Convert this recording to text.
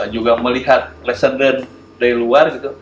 juga melihat lesson learned dari luar